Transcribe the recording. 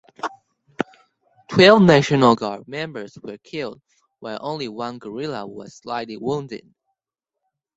Twelve National Guard members were killed while only one guerrilla was slightly wounded.